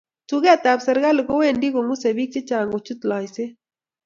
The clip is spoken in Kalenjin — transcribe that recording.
Tugeetab serikali kowendi kong'usei biik chechang' kochut loiseet.